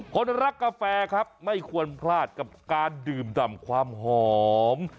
คนรักกาแฟครับไม่ควรพลาดกับการดื่มดำความหอม